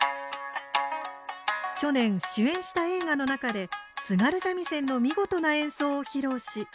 去年主演した映画の中で津軽三味線の見事な演奏を披露し話題となりました。